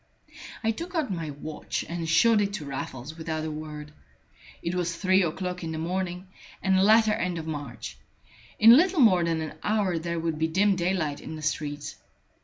I took out my watch and showed it to Raffles without a word. It was three o'clock in the morning, and the latter end of March. In little more than an hour there would be dim daylight in the streets.